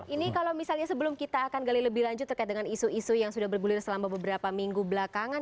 ini kalau misalnya sebelum kita akan gali lebih lanjut terkait dengan isu isu yang sudah bergulir selama beberapa minggu belakangan